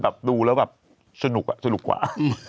สนุกกว่าสนุกกว่า